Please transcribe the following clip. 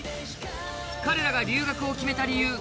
彼らが留学を決めた理由